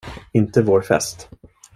Inte vår fest.